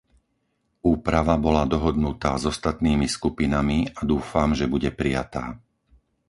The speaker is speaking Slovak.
Úprava bola dohodnutá s ostatnými skupinami a dúfam, že bude prijatá.